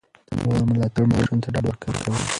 د مور ملاتړ ماشوم ته ډاډ ورکوي.